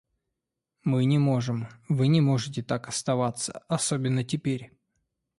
Мы не можем... вы не можете так оставаться, особенно теперь.